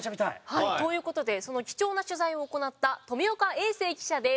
はいという事でその貴重な取材を行った富岡英聖記者です。